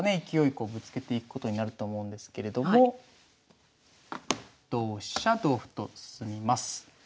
勢いこうぶつけていくことになると思うんですけれども同飛車同歩と進みます。